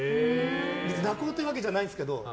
別に泣こうとしてるわけじゃないんですけど。